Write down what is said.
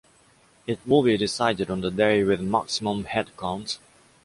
It will be decided on the day with maximum headcount.